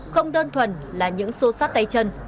không đơn thuần là những xô sát tay chân